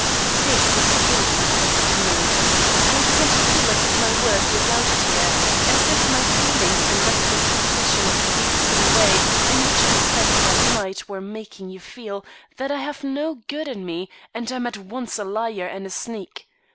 "This is an odd request to make. I begin to feel as if my word were doubted here; as if my failings and reckless confession of the beastly way in which I spent that night, were making you feel that I have no good in me and am at once a liar and a sneak.